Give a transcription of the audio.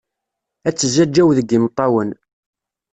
Ad tezzağğaw deg imeṭṭawen.